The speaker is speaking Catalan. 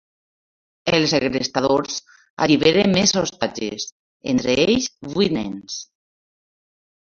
Els segrestadors alliberen més ostatges, entre ells vuit nens.